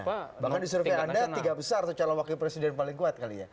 bahkan di survei anda tiga besar atau calon wakil presiden paling kuat kali ya